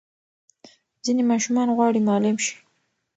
ځینې ماشومان غواړي معلم شي.